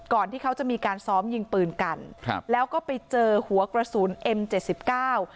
ที่เขาจะมีการซ้อมยิงปืนกันครับแล้วก็ไปเจอหัวกระสุนเอ็มเจ็ดสิบเก้า